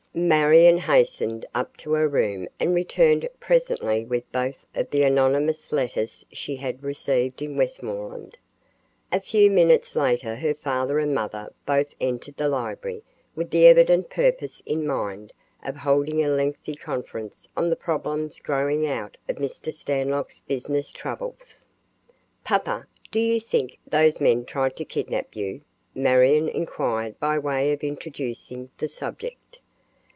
Marion hastened up to her room and returned presently with both of the anonymous letters she had received in Westmoreland. A few minutes later her father and mother both entered the library with the evident purpose in mind of holding a lengthy conference on the problems growing out of Mr. Stanlock's business troubles. "Papa, do you think those men tried to kidnap you?" Marion inquired by way of introducing the subject.